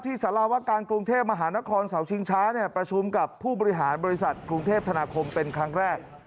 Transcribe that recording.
สารวการกรุงเทพมหานครเสาชิงช้าประชุมกับผู้บริหารบริษัทกรุงเทพธนาคมเป็นครั้งแรก